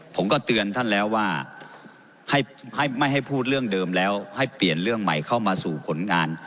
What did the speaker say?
ผมก็เตือนท่านแล้วว่าให้พูดเรื่องเดิมแล้วให้เปลี่ยนเรื่องใหม่เข้ามาสู่ผลงาน